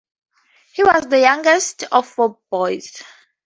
He was the youngest of four boys.